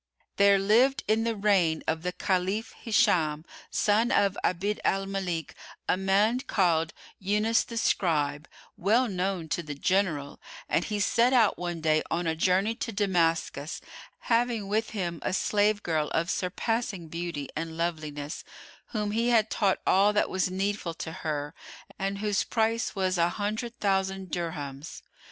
There lived in the reign of the Caliph Hishám, [FN#110] son of Abd al Malik, a man called Yúnus the Scribe well known to the general, and he set out one day on a journey to Damascus, having with him a slave girl of surpassing beauty and loveliness, whom he had taught all that was needful to her and whose price was an hundred thousand dirhams.